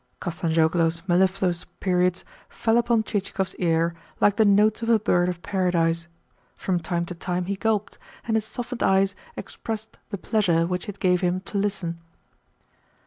Kostanzhoglo's mellifluous periods fell upon Chichikov's ear like the notes of a bird of paradise. From time to time he gulped, and his softened eyes expressed the pleasure which it gave him to listen.